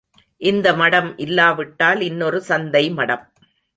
இந்த மடம் இல்லாவிட்டால் இன்னொரு சந்தை மடம்.